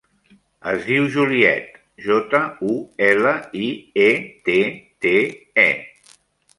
Es diu Juliette: jota, u, ela, i, e, te, te, e.